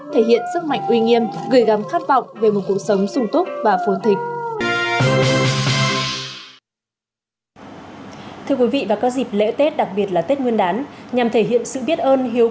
thể hiện sức mạnh uy nghiêm gửi gắm khát vọng về một cuộc sống sung túc và phốn thính